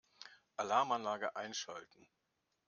Alarmanlage einschalten.